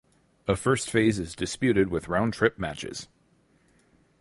A First Phase is disputed with round trip matches.